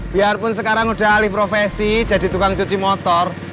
biarpun sekarang udah alih profesi jadi tukang cuci motor